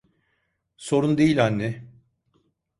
Sorun değil anne.